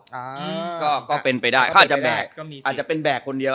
อ่าก็ก็เป็นไปได้ก็เป็นไปได้ก็มีสิอาจจะเป็นแบกคนเดียว